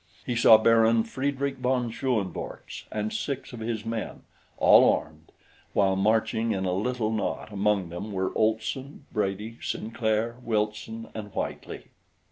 He saw Baron Friedrich von Schoenvorts and six of his men all armed while marching in a little knot among them were Olson, Brady, Sinclair, Wilson, and Whitely.